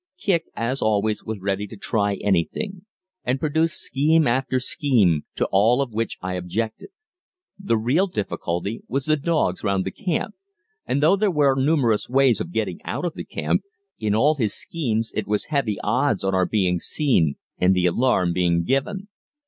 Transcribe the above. Kicq, as always, was ready to try anything, and produced scheme after scheme, to all of which I objected. The real difficulty was the dogs round the camp, and though there were numerous ways of getting out of the camp, in all his schemes it was heavy odds on our being seen and the alarm being given.